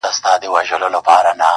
شرنګېدلي د سِتار خوږې نغمې سه,